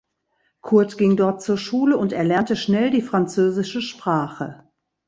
Kurt ging dort zur Schule und erlernte schnell die französische Sprache.